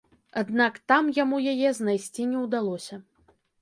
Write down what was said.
Аднак там яму яе знайсці не ўдалося.